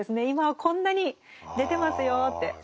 今はこんなに出てますよって。